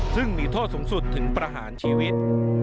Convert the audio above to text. ซึ่งมีโทษสูงสุดถึงประหารชีวิต